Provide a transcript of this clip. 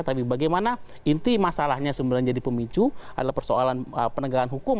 tapi bagaimana inti masalahnya sebenarnya jadi pemicu adalah persoalan penegakan hukum